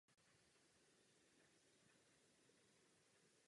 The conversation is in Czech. V mládí se živil jako herec.